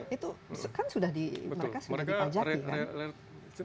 itu kan sudah mereka sudah dipanjaki kan